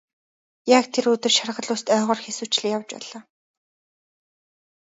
Яг тэр өдөр шаргал үст ойгоор хэсүүчлэн явж байлаа.